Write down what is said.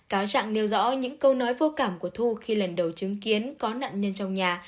cáo trạng nêu rõ những câu nói vô cảm của thu khi lần đầu chứng kiến có nạn nhân trong nhà